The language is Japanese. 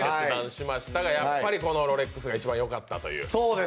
やっぱりこのロレックスが一番よかったという。